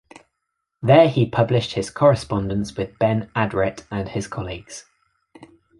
There he published his correspondence with Ben Adret and his colleagues.